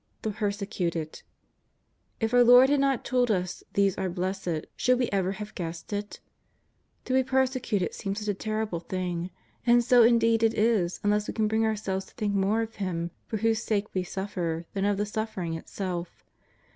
The persecuted. If our Lord had not told us these are blessed, should we ever have guessed it ? To be persecuted seems such a terrible thing, and so indeed it is unless we can bring ourselves to think more of Him for whose sake we suffer than of the suffering itself.